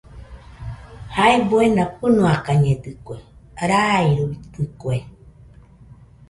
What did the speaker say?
Jae buena fɨnoakañedɨkue, rairuitɨkue.